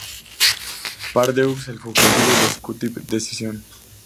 Part Deux", "El fugitivo", y "Executive Decision".